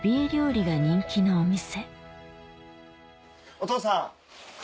お父さん。